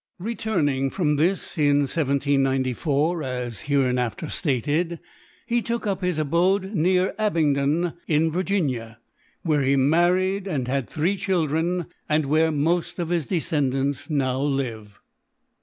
Returning from this in 1794, as hereinafter stated, he took up his abode near Abingdon, in Virginia, where he married, and had three children, and where most of his descendants now live.